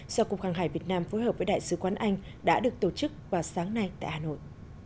do cục hàng hải việt nam phối hợp với đại sứ quán anh đã được tổ chức vào sáng nay tại hà nội